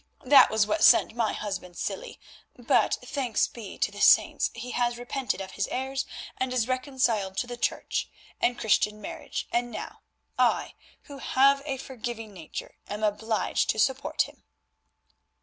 That was what sent my husband silly, but, thanks be to the Saints, he has repented of his errors and is reconciled to the Church and Christian marriage, and now, I, who have a forgiving nature, am obliged to support him."